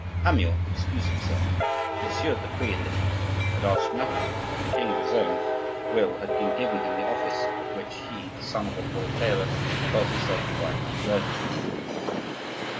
Amyot excused himself. He assured the queen that he had asked nothing; the king of his own will had given him the office of which he, the son of a poor tailor, felt himself quite unworthy.